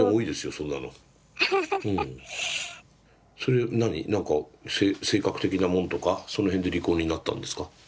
それは何何か性格的なものとかその辺で離婚になったんですか？